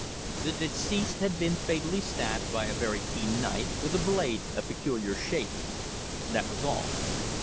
The deceased had been fatally stabbed by a very keen knife with a blade of peculiar shape. That was all.